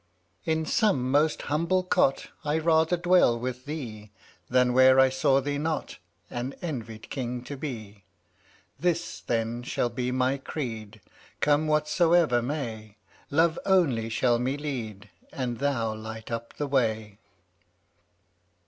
87 In some most humble cot I rather dwell with thee Than where I saw thee not An envied king to be. This, then, shall be my creed, Come whatsoever may: Love only shall me lead And thou light up the way.